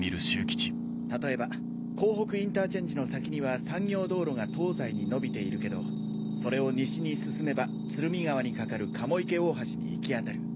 例えば港北インターチェンジの先には産業道路が東西に延びているけどそれを西に進めば鶴見川に架かる鴨池大橋に行き当たる。